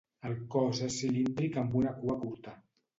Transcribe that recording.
El cos és cilíndric amb una cua curta.